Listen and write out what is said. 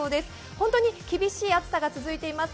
本当に厳しい暑さが続いています。